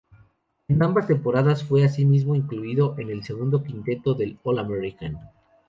En ambas temporadas fue asimismo incluido en el segundo quinteto del All-American.